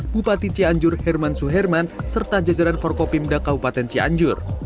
bupati cianjur herman suherman serta jajaran forkopimda kabupaten cianjur